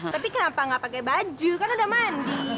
tapi kenapa gak pake baju kan udah mandi